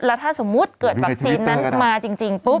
แล้วถ้าสมมุติเกิดวัคซีนนั้นมาจริงปุ๊บ